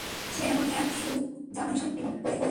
সে এমন এক সুউচ্চ ছাদ যা মানুষকে বিস্ময় বিমূঢ় করে দেয়।